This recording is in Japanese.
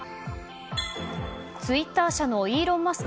ツイッター社のイーロン・マスク